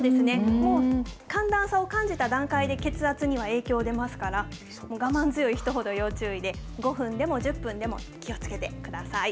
もう、寒暖差を感じた段階で血圧には影響出ますから、我慢強い人ほど要注意で、５分でも１０分でも気をつけてください。